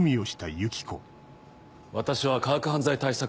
私は科学犯罪対策